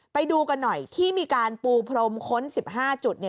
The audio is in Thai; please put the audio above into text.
ไปดูกันหน่อยที่มีการปูพรมค้น๑๕จุดเนี่ย